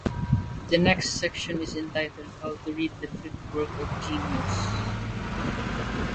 The next section is entitled "How to Read the "Fifth Work of Genius".